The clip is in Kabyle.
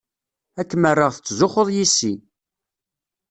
Ad kem-rreɣ tettzuxxuḍ yess-i.